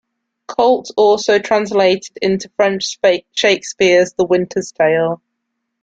Koltes also translated into French Shakespeare's "The Winter's Tale".